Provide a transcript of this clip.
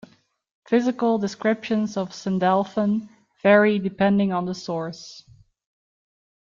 Physical descriptions of Sandalphon vary depending on the source.